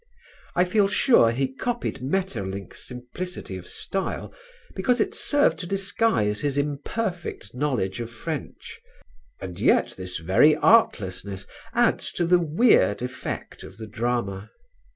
I feel sure he copied Maeterlinck's simplicity of style because it served to disguise his imperfect knowledge of French and yet this very artlessness adds to the weird effect of the drama.